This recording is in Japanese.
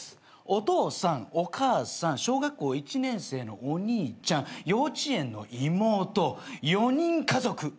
「お父さんお母さん小学校１年生のお兄ちゃん幼稚園の妹４人家族」